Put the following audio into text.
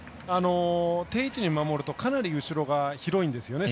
定位置に守るとかなり後ろが広いんですよね。